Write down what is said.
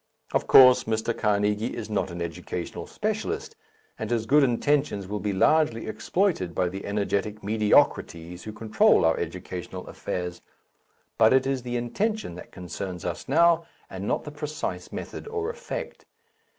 Of course, Mr. Carnegie is not an educational specialist, and his good intentions will be largely exploited by the energetic mediocrities who control our educational affairs. But it is the intention that concerns us now, and not the precise method or effect.